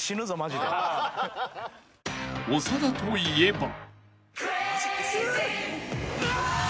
［長田といえば］